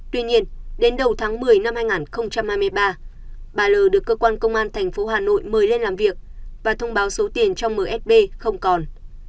tuy nhiên đến đầu tháng một mươi năm hai nghìn hai mươi ba bà l được cơ quan công an tp hà nội mời lên làm việc và thông báo số tiền trong msb không còn